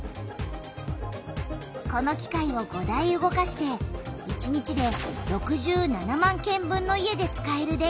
この機械を５台動かして１日で６７万軒分の家で使える電気をつくっている。